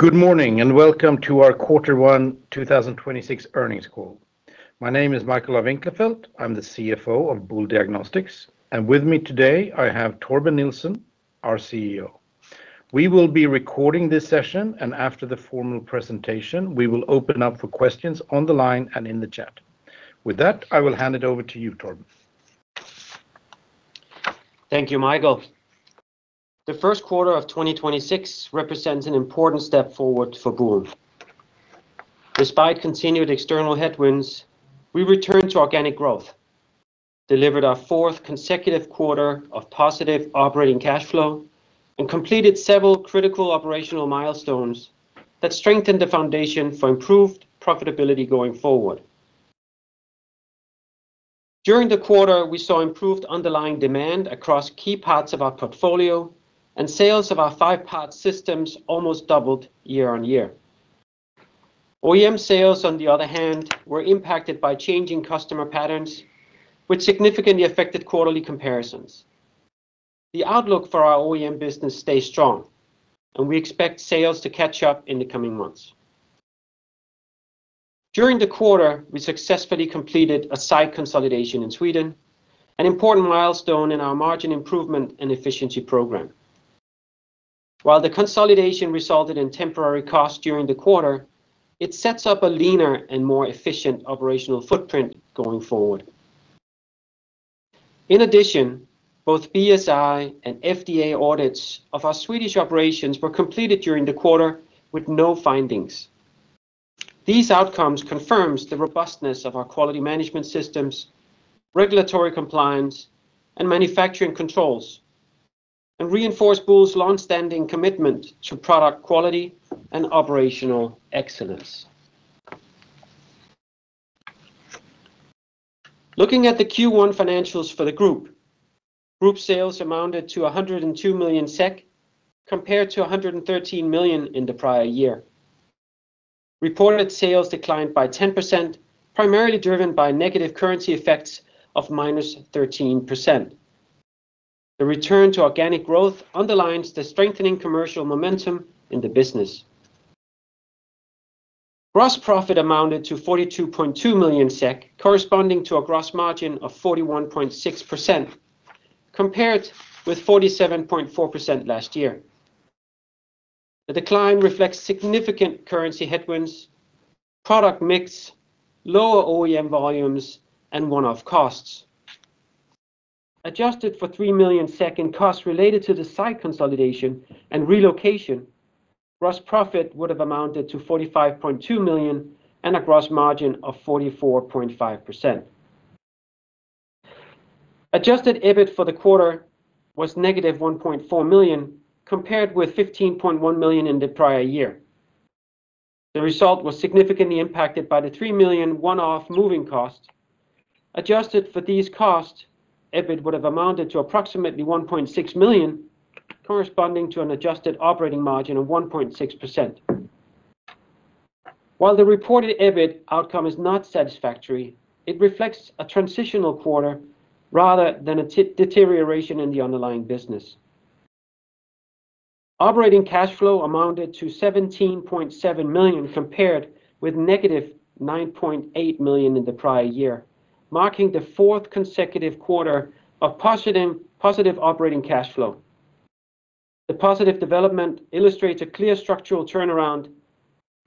Good morning, and welcome to our quarter 1 2026 earnings call. My name is Michael af Winklerfelt. I'm the CFO of Boule Diagnostics, and with me today, I have Torben Nielsen, our CEO. We will be recording this session, and after the formal presentation, we will open up for questions on the line and in the chat. With that, I will hand it over to you, Torben. Thank you, Michael. The first quarter of 2026 represents an important step forward for Boule. Despite continued external headwinds, we returned to organic growth, delivered our fourth consecutive quarter of positive operating cash flow, and completed several critical operational milestones that strengthened the foundation for improved profitability going forward. During the quarter, we saw improved underlying demand across key parts of our portfolio, and sales of our five-part systems almost doubled year-over-year. OEM sales, on the other hand, were impacted by changing customer patterns, which significantly affected quarterly comparisons. The outlook for our OEM business stays strong, and we expect sales to catch up in the coming months. During the quarter, we successfully completed a site consolidation in Sweden, an important milestone in our margin improvement and efficiency program. While the consolidation resulted in temporary costs during the quarter, it sets up a leaner and more efficient operational footprint going forward. In addition, both BSI and FDA audits of our Swedish operations were completed during the quarter with no findings. These outcomes confirms the robustness of our quality management systems, regulatory compliance and manufacturing controls, and reinforce Boule's longstanding commitment to product quality and operational excellence. Looking at the Q1 financials for the group. Group sales amounted to 102 million SEK, compared to 113 million in the prior year. Reported sales declined by 10%, primarily driven by negative currency effects of -13%. The return to organic growth underlines the strengthening commercial momentum in the business. Gross profit amounted to 42.2 million SEK, corresponding to a gross margin of 41.6% compared with 47.4% last year. The decline reflects significant currency headwinds, product mix, lower OEM volumes, and one-off costs. Adjusted for 3 million in costs related to the site consolidation and relocation, gross profit would have amounted to 45.2 million and a gross margin of 44.5%. Adjusted EBIT for the quarter was -1.4 million, compared with 15.1 million in the prior year. The result was significantly impacted by the 3 million one-off moving costs. Adjusted for these costs, EBIT would have amounted to approximately 1.6 million, corresponding to an adjusted operating margin of 1.6%. While the reported EBIT outcome is not satisfactory, it reflects a transitional quarter rather than a deterioration in the underlying business. Operating cash flow amounted to 17.7 million, compared with negative 9.8 million in the prior year, marking the fourth consecutive quarter of positive operating cash flow. The positive development illustrates a clear structural turnaround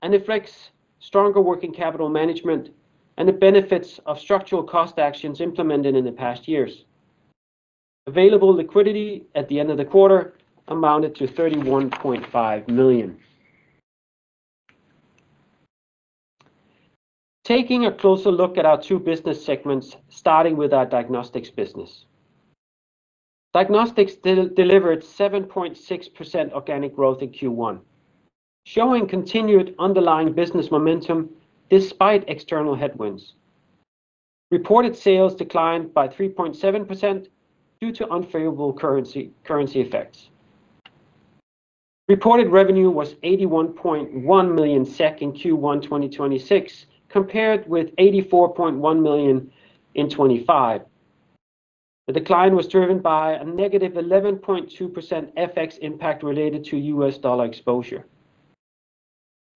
and reflects stronger working capital management and the benefits of structural cost actions implemented in the past years. Available liquidity at the end of the quarter amounted to 31.5 million. Taking a closer look at our two business segments, starting with our diagnostics business. Diagnostics delivered 7.6% organic growth in Q1, showing continued underlying business momentum despite external headwinds. Reported sales declined by 3.7% due to unfavorable currency effects. Reported revenue was 81.1 million SEK in Q1 2026, compared with 84.1 million in 2025. The decline was driven by a -11.2% FX impact related to US dollar exposure.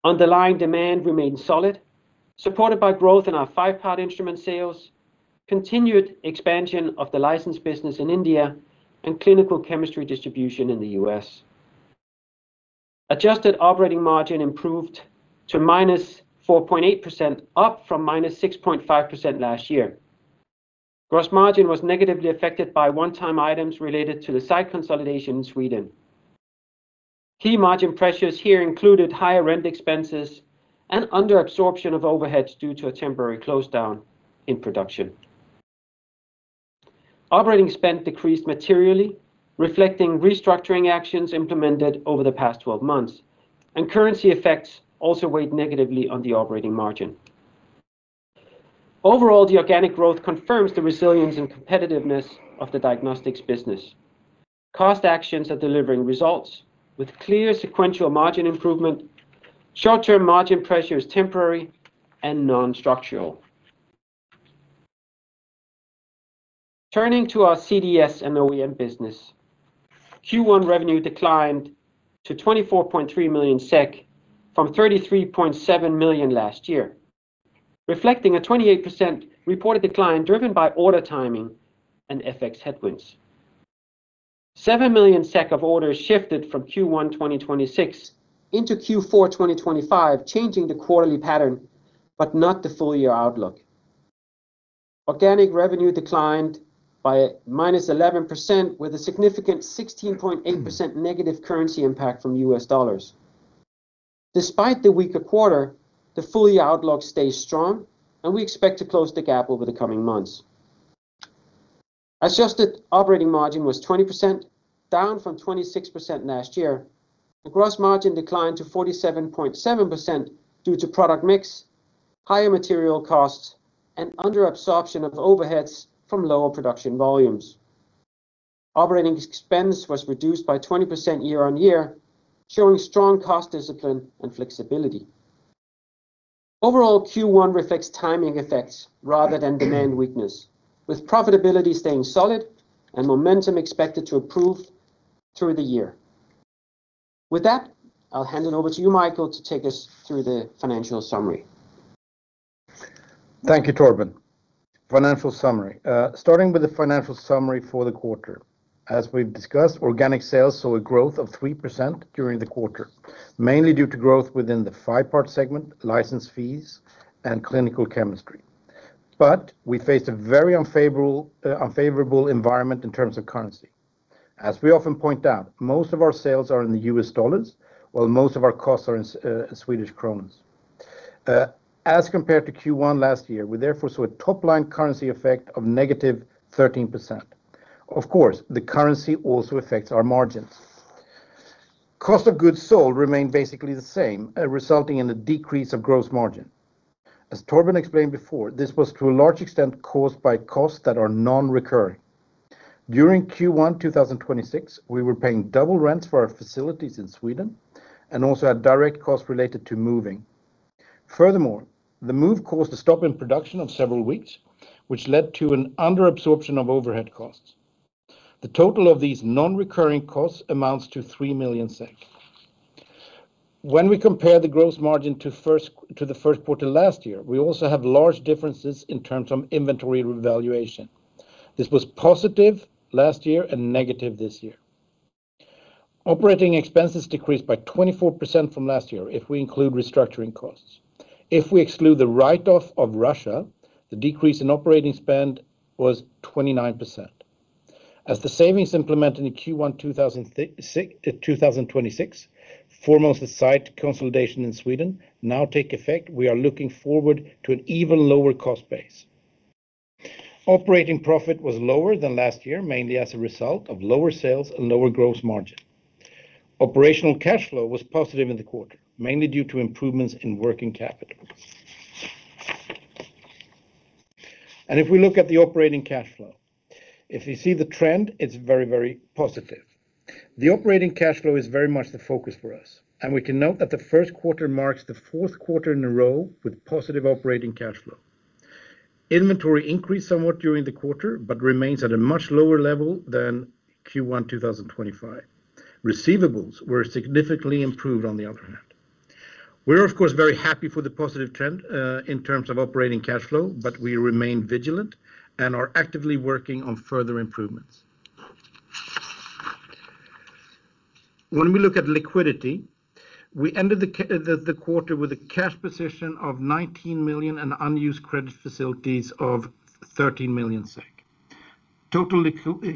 Underlying demand remained solid, supported by growth in our five-part instrument sales, continued expansion of the license business in India, and clinical chemistry distribution in the U.S. Adjusted operating margin improved to -4.8%, up from -6.5% last year. Gross margin was negatively affected by one-time items related to the site consolidation in Sweden. Key margin pressures here included higher rent expenses and under absorption of overheads due to a temporary close down in production. Operating spend decreased materially, reflecting restructuring actions implemented over the past 12 months, and currency effects also weighed negatively on the operating margin. Overall, the organic growth confirms the resilience and competitiveness of the diagnostics business. Cost actions are delivering results with clear sequential margin improvement. Short-term margin pressure is temporary and non-structural. Turning to our CDS and OEM business, Q1 revenue declined to 24.3 million SEK from 33.7 million last year, reflecting a 28% reported decline driven by order timing and FX headwinds. 7 million SEK of orders shifted from Q1 2026 into Q4 2025, changing the quarterly pattern but not the full year outlook. Organic revenue declined by 11%- with a significant 16.8% negative currency impact from U.S. dollars. Despite the weaker quarter, the full year outlook stays strong and we expect to close the gap over the coming months. Adjusted operating margin was 20%, down from 26% last year. The gross margin declined to 47.7% due to product mix, higher material costs, and under absorption of overheads from lower production volumes. Operating expense was reduced by 20% year-on-year, showing strong cost discipline and flexibility. Overall, Q1 reflects timing effects rather than demand weakness, with profitability staying solid and momentum expected to improve through the year. With that, I'll hand it over to you, Michael, to take us through the financial summary. Thank you, Torben. Financial summary. Starting with the financial summary for the quarter. As we've discussed, organic sales saw a growth of 3% during the quarter, mainly due to growth within the five-part segment, license fees, and clinical chemistry. We faced a very unfavorable environment in terms of currency. As we often point out, most of our sales are in the US dollars, while most of our costs are in Swedish kronor. As compared to Q1 last year, we therefore saw a top line currency effect of -13%. Of course, the currency also affects our margins. Cost of goods sold remained basically the same, resulting in a decrease of gross margin. As Torben explained before, this was to a large extent caused by costs that are non-recurring. During Q1 2026, we were paying double rents for our facilities in Sweden and also had direct costs related to moving. Furthermore, the move caused a stop in production of several weeks, which led to an under absorption of overhead costs. The total of these non-recurring costs amounts to 3 million SEK. When we compare the gross margin to the first quarter last year, we also have large differences in terms of inventory revaluation. This was positive last year and negative this year. Operating expenses decreased by 24% from last year if we include restructuring costs. If we exclude the write-off of Russia, the decrease in operating spend was 29%. As the savings implemented in Q1 2026, foremost the site consolidation in Sweden, now take effect, we are looking forward to an even lower cost base. Operating profit was lower than last year, mainly as a result of lower sales and lower gross margin. Operational cash flow was positive in the quarter, mainly due to improvements in working capital. If we look at the operating cash flow, if you see the trend, it's very, very positive. The operating cash flow is very much the focus for us, and we can note that the first quarter marks the fourth quarter in a row with positive operating cash flow. Inventory increased somewhat during the quarter, but remains at a much lower level than Q1 2025. Receivables were significantly improved on the other hand. We're, of course, very happy for the positive trend in terms of operating cash flow, but we remain vigilant and are actively working on further improvements. When we look at liquidity, we ended the quarter with a cash position of 19 million and unused credit facilities of 13 million SEK. Total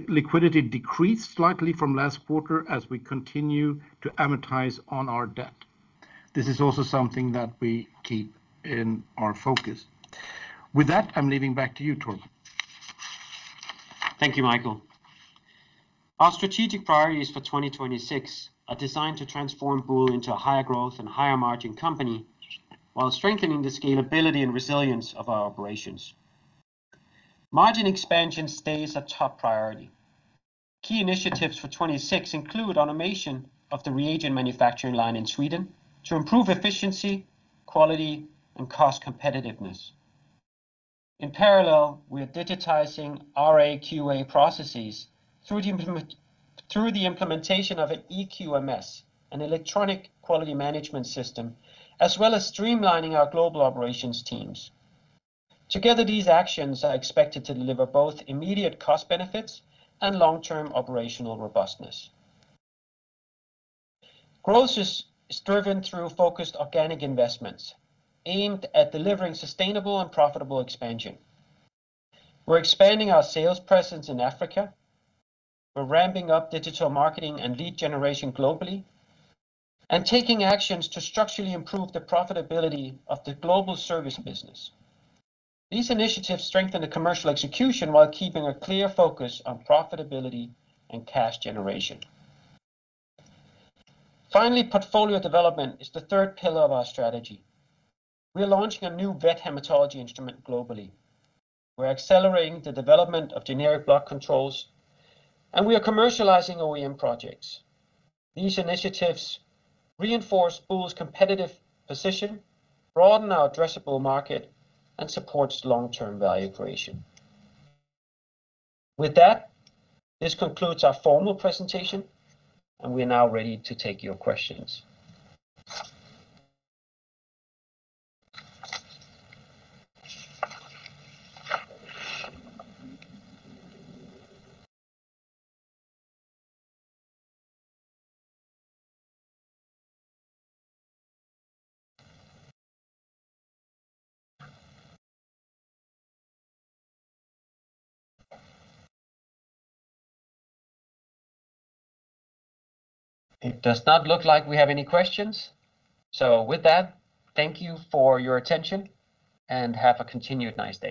liquidity decreased slightly from last quarter as we continue to amortize on our debt. This is also something that we keep in our focus. With that, I'm handing back to you, Torben. Thank you, Michael. Our strategic priorities for 2026 are designed to transform Boule into a higher growth and higher margin company while strengthening the scalability and resilience of our operations. Margin expansion stays a top priority. Key initiatives for 2026 include automation of the reagent manufacturing line in Sweden to improve efficiency, quality, and cost competitiveness. In parallel, we are digitizing our QA processes through the implementation of an EQMS, an electronic quality management system, as well as streamlining our global operations teams. Together, these actions are expected to deliver both immediate cost benefits and long-term operational robustness. Growth is driven through focused organic investments aimed at delivering sustainable and profitable expansion. We're expanding our sales presence in Africa. We're ramping up digital marketing and lead generation globally and taking actions to structurally improve the profitability of the global service business. These initiatives strengthen the commercial execution while keeping a clear focus on profitability and cash generation. Finally, portfolio development is the third pillar of our strategy. We are launching a new vet hematology instrument globally. We're accelerating the development of generic blood controls, and we are commercializing OEM projects. These initiatives reinforce Boule's competitive position, broaden our addressable market, and support long-term value creation. With that, this concludes our formal presentation, and we are now ready to take your questions. It does not look like we have any questions. With that, thank you for your attention, and have a continued nice day.